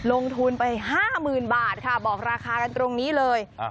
ลงทุนไป๕๐๐๐บาทค่ะบอกราคากันตรงนี้เลย